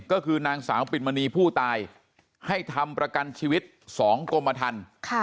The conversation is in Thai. ก็คือนางสาวปิดมณีผู้ตายให้ทำประกันชีวิต๒กรมทัน